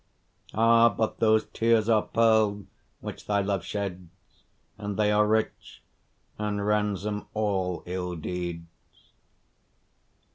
Ah! but those tears are pearl which thy love sheds, And they are rich and ransom all ill deeds.